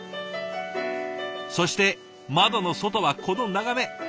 そして窓の外はこの眺め。